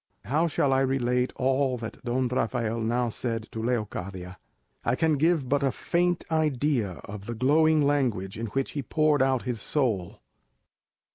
How shall I relate all that Don Rafael now said to Leocadia? I can give but a faint idea of the glowing language in which he poured out his soul.